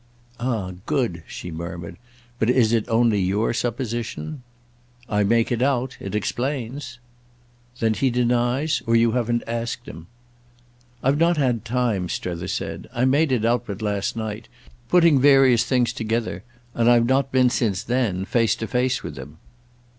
"Ah good!" she murmured. "But is it only your supposition?" "I make it out—it explains." "Then he denies?—or you haven't asked him?" "I've not had time," Strether said; "I made it out but last night, putting various things together, and I've not been since then face to face with him."